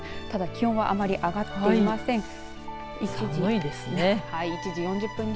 ただ気温はあまり上がっていません。